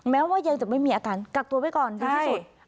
แม้ว่ายังจะไม่มีอาการกักตัวไว้ก่อนดีที่สุด